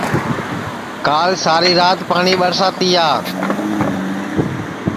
کال ساری رات پاٹؔی ٻرسا تیا